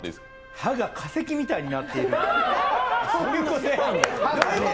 歯が化石みたいになっている。